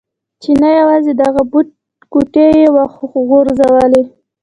چې نه یوازې دغه کوټې يې و غورځولې.